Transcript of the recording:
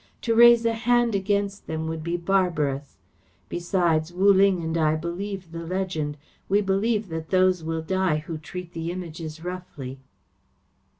To raise a hand against them would be barbarous. Besides, Wu Ling and I believe the legend. We believe that those will die who treat the Images roughly."